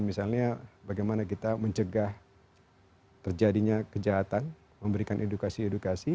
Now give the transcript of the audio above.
misalnya bagaimana kita mencegah terjadinya kejahatan memberikan edukasi edukasi